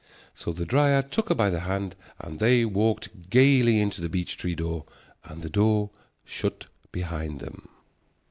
So the dryad took her by the hand and they walked gaily into the beech tree door, and the door shut behind them.